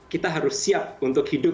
kita harus siap untuk hidup